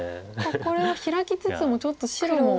これはヒラきつつもちょっと白も。